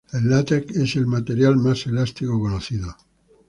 El látex es el material más elástico conocido.